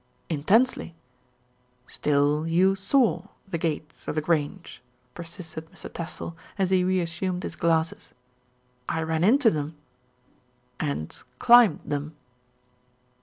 "Intensely." "Still you saw the gates of The Grange?" persisted Mr. Tassell, as he reassumed his glasses. "I ran into them." "And climbed them?"